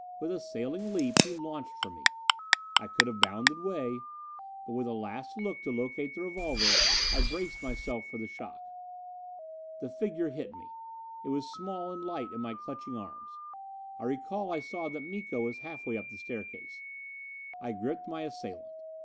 With a sailing leap he launched for me. I could have bounded way, but with a last look to locate the revolver, I braced myself for the shock. The figure hit me. It was small and light in my clutching arms. I recall I saw that Miko was half way up the staircase. I gripped my assailant.